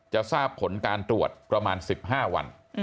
จะทราบผลการตรวจประมาณ๑๕วัน